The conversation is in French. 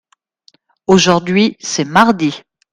Aujourd’hui c’est mardi.